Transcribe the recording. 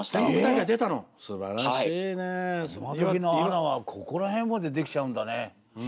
今どきのアナはここら辺までできちゃうんだね。